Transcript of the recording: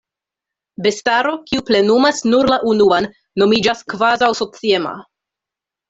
Bestaro, kiu plenumas nur la unuan, nomiĝas kvazaŭ-sociema.